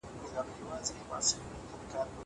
زه اوږده وخت شګه پاکوم!